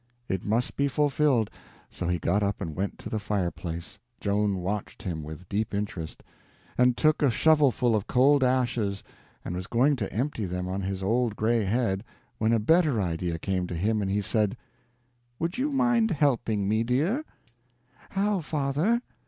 It must be fulfilled. So he got up and went to the fireplace, Joan watching him with deep interest, and took a shovelful of cold ashes, and was going to empty them on his old gray head when a better idea came to him, and he said: "Would you mind helping me, dear?" "How, father?"